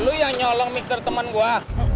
lo yang nyolong mixer temen gua